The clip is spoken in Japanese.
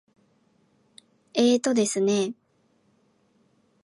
えーとですね。